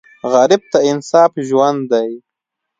غریب ته انصاف ژوند دی